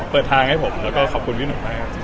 เปิดทางให้ผมแล้วก็ขอบคุณพี่หนุ่มมากครับ